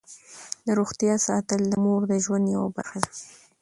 د روغتیا ساتل د مور د ژوند یوه برخه ده.